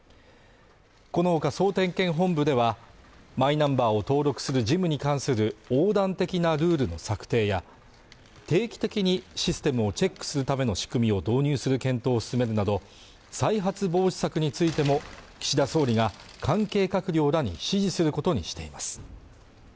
このほか総点検本部ではマイナンバーを登録する事務に関する横断的なルールの策定や定期的にシステムをチェックするための仕組みを導入する検討を進めるなど再発防止策についても岸田総理が関係閣僚らに指示することにしています